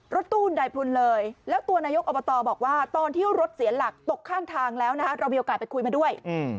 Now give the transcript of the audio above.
รถตู้ใดพลุนเลยแล้วตัวนายกอบตบอกว่าตอนที่รถเสียหลักตกข้างทางแล้วนะคะเรามีโอกาสไปคุยมาด้วย